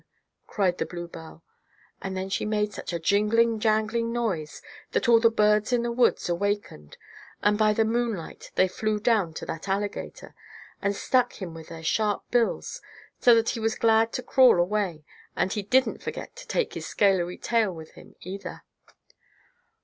cried the bluebell, and then she made such a jingling jangling noise that all the birds in the woods awakened, and by the moonlight, they flew down at that alligator, and stuck him with their sharp bills, so that he was glad to crawl away, and he didn't forget to take his scalery tail with him, either.